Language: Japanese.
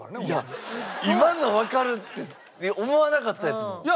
いや今のをわかるって思わなかったですもん。